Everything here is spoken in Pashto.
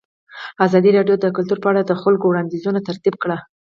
ازادي راډیو د کلتور په اړه د خلکو وړاندیزونه ترتیب کړي.